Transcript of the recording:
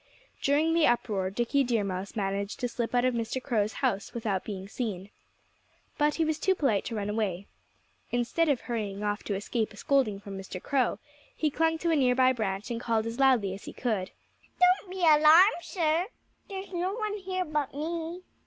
During the uproar Dickie Deer Mouse managed to slip out of Mr. Crow's house without being seen. But he was too polite to run away. Instead of hurrying off to escape a scolding from Mr. Crow he clung to a near by branch and called as loudly as he could: "Don't be alarmed, sir! There's no one here but me.